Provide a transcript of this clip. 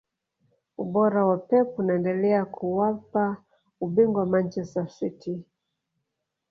ubora wa pep unaendelea kuwapa ubingwa manchester city